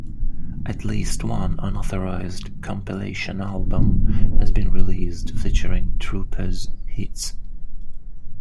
At least one unauthorised compilation album has been released featuring Trooper's hits.